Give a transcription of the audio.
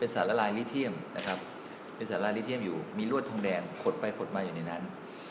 สารลาลายหลีทียีมอยู่มีรวดทองแดงโครดไปโครดมาอยู่ในนั้น